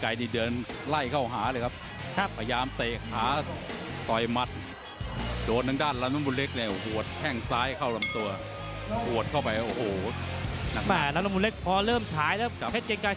หมดยกสามแหม่เวลาเดินเร็วจริง